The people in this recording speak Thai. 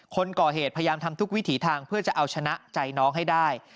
คนก่อเหตุพยายามทำทุกวิถีทางเพื่อจะเอาชนะใจน้องให้ได้